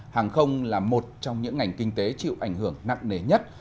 hàng không là một trong những ngành kinh tế chịu ảnh hưởng nặng nề nhất